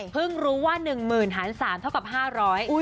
พึ่งรู้ว่าหนึ่งหมื่นหารสามเท่ากับห้าร้อย